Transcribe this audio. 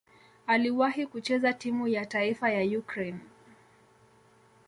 Aliwahi kucheza timu ya taifa ya Ukraine.